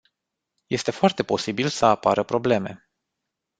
Este foarte posibil să apară probleme.